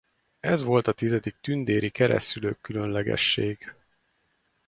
Ez volt a tizedik Tündéri keresztszülők-különlegesség.